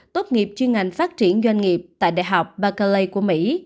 tốt nghiệp chuyên ngành phát triển doanh nghiệp tại đại học bakalay của mỹ